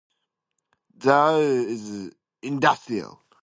The adjacent station is Parque Industrial.